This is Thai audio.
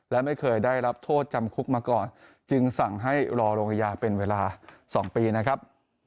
และไม่เคยได้รับโทษจำคุกมาก่อนจึงสั่งให้รอลงอาญาเป็นเวลา๒ปีนะครับ